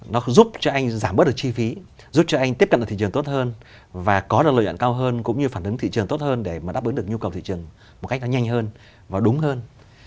nó giúp cho anh giảm bớt được chi phí giúp cho anh tiếp cận được thị trường tốt hơn và có được lợi nhuận cao hơn cũng như phản ứng thị trường tốt hơn để mà đáp ứng được nhu cầu thị trường một cách nó nhanh hơn và đúng hơn